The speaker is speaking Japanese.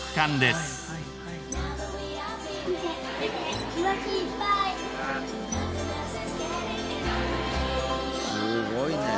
すごいね。